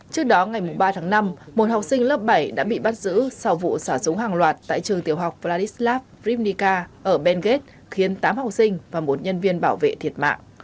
trước đó ngày ba tháng năm một học sinh lớp bảy đã bị bắt giữ sau vụ xả súng hàng loạt tại trường tiểu học vladislav drivnica ở bengate khiến tám học sinh và một nhân viên bảo vệ thiệt mạng